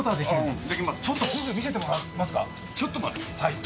ちょっとフグ見せてもらえますか？